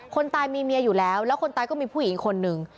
คนตายมีเมียอยู่แล้วแล้วคนตายก็มีผู้หญิงอีกคนนึง